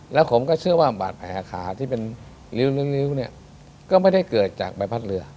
แล้วผมก็เชื่อว่าบาดแผลขาที่เป็นริ้วเนี่ยก็ไม่ได้เกิดจากใบพัดเรือ